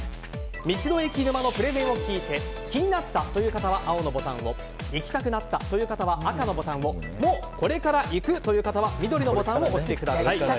道の駅沼のプレゼンを聞いて気になったという方は青のボタンを行きたくなったという方は赤のボタンをもうこれから行くという方は緑のボタンを押してください。